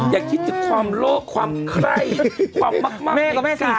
อย่าคิดถึงความโลกความไคร้ความมาก